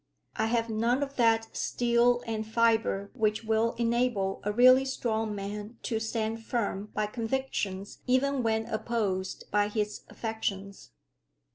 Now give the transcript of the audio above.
I have none of that steel and fibre which will enable a really strong man to stand firm by convictions even when opposed by his affections.